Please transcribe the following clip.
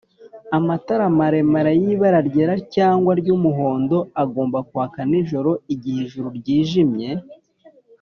Amatara maremare y’ibara ryera cyangwa ry’umuhondo agomba kwaka nijoro igihe ijuru ryijimye